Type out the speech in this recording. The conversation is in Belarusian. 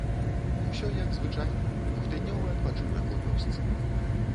Усё як звычайна, двухтыднёвы адпачынак у вёсцы.